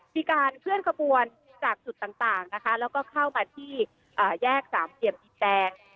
มีการเคลื่อนกระบวนจากสุดต่างแล้วก็เข้ามาที่แยก๓เดียมจินแดง